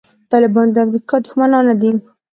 طالبان د امریکا دښمنان نه دي.